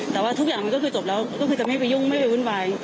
แต่ว่าทุกอย่างมันก็คือจบแล้วก็คือจะไม่ไปยุ่งไม่ไปวุ่นวาย